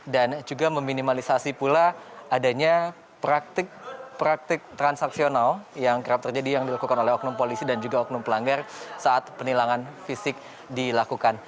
dan juga meminimalisasi pula adanya praktik transaksional yang kerap terjadi yang dilakukan oleh oknum polisi dan juga oknum pelanggar saat penilangan fisik dilakukan